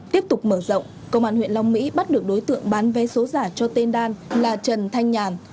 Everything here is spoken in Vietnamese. tiếp tục mở rộng công an huyện long mỹ bắt được đối tượng bán vé số giả cho tên đan là trần thanh nhàn